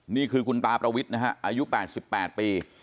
นี่คือคุณตาประวิทย์นะฮะอายุ๘๘ปี